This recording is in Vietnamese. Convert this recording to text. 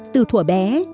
từ thủa bé